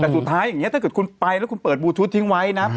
แต่สุดท้ายอย่างนี้ถ้าเกิดคุณไปแล้วคุณเปิดบลูทูตทิ้งไว้นะ